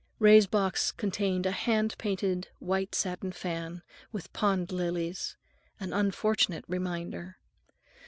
Ray's box contained a hand painted white satin fan, with pond lilies—an unfortunate reminder.